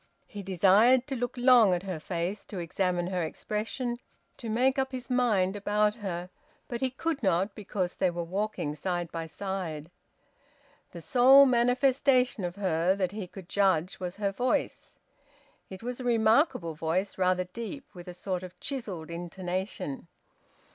He desired to look long at her face, to examine her expression, to make up his mind about her; but he could not, because they were walking side by side. The sole manifestation of her that he could judge was her voice. It was a remarkable voice, rather deep, with a sort of chiselled intonation.